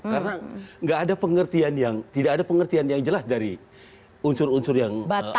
karena tidak ada pengertian yang jelas dari unsur unsur yang ada di bawah